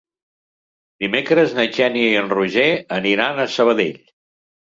Dimecres na Xènia i en Roger aniran a Sabadell.